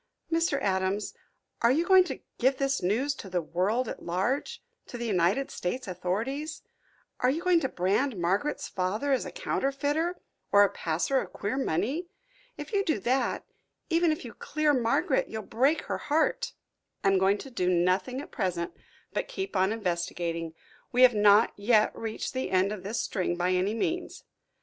"Mr. Adams, are you going to give this news to the world at large to the United States authorities are you going to brand Margaret's father as a counterfeiter, or a passer of queer money? If you do that, even if you clear Margaret, you'll break her heart." "I am going to do nothing at present but keep on investigating. We have not yet reached the end of this string by any means.